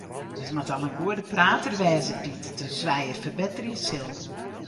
It moat al in goede prater wêze dy't it in swijer ferbetterje sil.